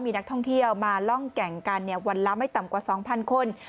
มีนักท่องเที่ยวมาล่องแก่งกันวันละไม่ต่ำกว่า๒๐๐คน